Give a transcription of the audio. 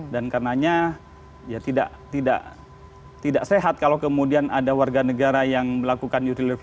dan karenanya tidak sehat kalau kemudian ada warga negara yang melakukan judicial review